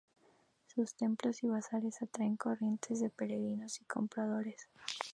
Sus templos y bazares atraen corrientes de peregrinos y compradores.